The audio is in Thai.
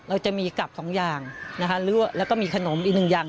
เราจะมีกลับสองอย่างนะคะแล้วก็มีขนมอีกหนึ่งอย่าง